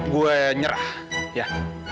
gue nyerah ya